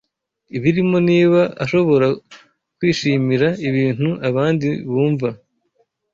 Ibirimo niba ashobora kwishimira Ibintu abandi bumva